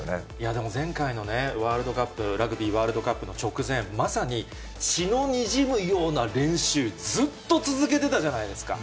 でも前回のね、ワールドカップ、ラグビーワールドカップの直前、まさに血のにじむような練習、ずっと続けてたじゃないですか。